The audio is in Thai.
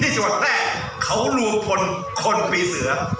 ที่ชะดแรกเขารูพรคนปีเสือ